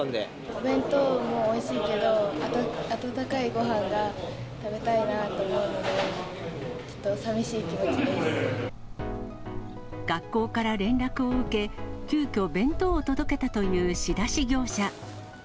お弁当もおいしいけど、温かいごはんが食べたいなと思うので、学校から連絡を受け、急きょ、弁当を届けたという仕出し業者。